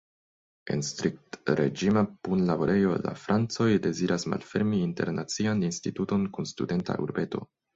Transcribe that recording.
En striktreĝima punlaborejo la francoj deziras malfermi internacian instituton kun studenta urbeto.